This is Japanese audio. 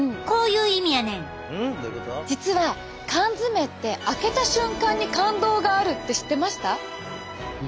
実は缶詰って開けた瞬間に感動があるって知ってました？